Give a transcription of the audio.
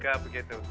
ya semoga begitu